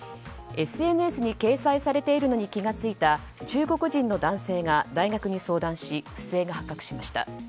ＳＮＳに掲載されているのに気が付いた中国人の男性が大学に相談し不正が発覚しました。